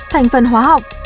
thành phần hóa học